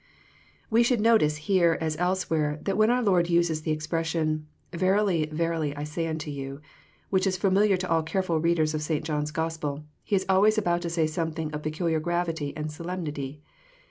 We should notice here, as elsewhere, that when our Lord uses the expression, "Verily, verily, I say unto you," which is familiar to all carefUl readers of St. John's Gospel, He is always about to say something of peculiar gravity and solemnity.